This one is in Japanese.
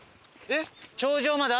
えっ？